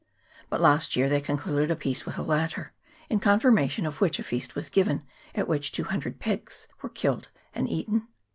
But last year they concluded a peace with the latter ; in confirmation of which a feast was given, at which two hundred pigs were killed and eaten.